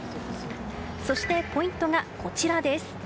そしてポイントがこちらです。